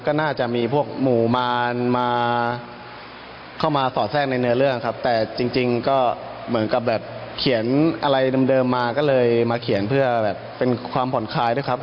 ก็น่าจะมีพวกหมู่มารมาเข้ามาสอดแทรกในเนื้อเรื่องครับแต่จริงก็เหมือนกับแบบเขียนอะไรเดิมมาก็เลยมาเขียนเพื่อแบบเป็นความผ่อนคลายด้วยครับ